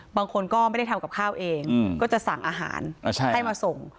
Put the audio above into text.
บางคนก็ไม่ได้ทำกับข้าวเองก็จะสั่งอาหารให้มาส่ง